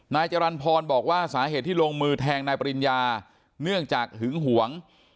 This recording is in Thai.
นายจรรย์พรบอกว่าสาเหตุที่ลงมือแทงนายปริญญาเนื่องจากหึงหวง